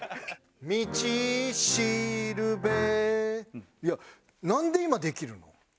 「道標」いやなんで今できるの？